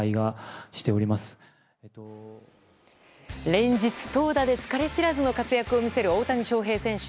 連日、投打で疲れ知らずの活躍を見せる大谷翔平選手。